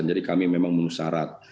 jadi kami memang menusarat